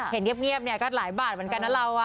เห็นเงียบเนี่ยก็หลายบาทเหมือนกันนะเรา